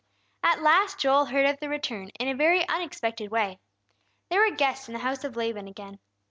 At last Joel heard of the return, in a very unexpected way. There were guests in the house of Laban again.